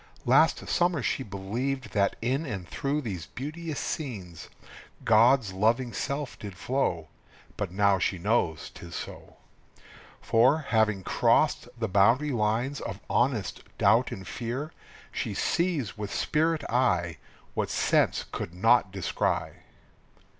_) Last summer she believed that in and through these beauteous scenes God's loving self did flow, But now she knows 'tis so. For, having crossed the boundary lines of honest doubt and fear, She sees with spirit eye What sense could not descry.